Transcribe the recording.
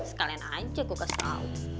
sekalian aja gue kasih tau